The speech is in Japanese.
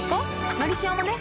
「のりしお」もね